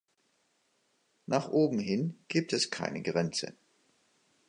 Nach oben hin gibt es keine Grenze.